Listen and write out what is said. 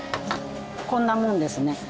こんなもんですね。